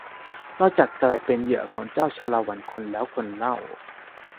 นอกจากกลายเป็นเหยื่อของเจ้าชาละวันคนแล้วคนเล่า